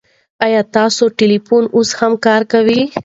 ایا ستاسو ټلېفون اوس هم ښه کار کوي؟